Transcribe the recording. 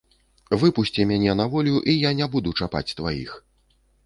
Выпусці мяне на волю, і я не буду чапаць тваіх.